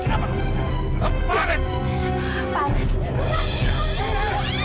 tak akan jumlah para para kalian